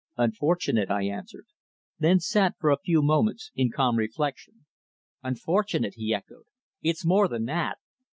"Unfortunate," I answered, then sat for a few moments in calm reflection. "Unfortunate!" he echoed. "It's more than that.